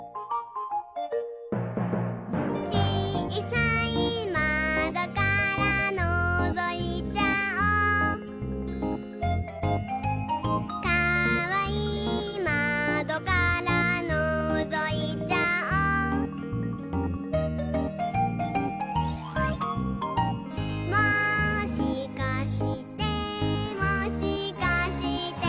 「ちいさいまどからのぞいちゃおう」「かわいいまどからのぞいちゃおう」「もしかしてもしかして」